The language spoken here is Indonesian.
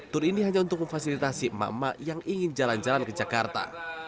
tur ini hanya untuk memfasilitasi emak emak yang ingin jalan jalan ke jakarta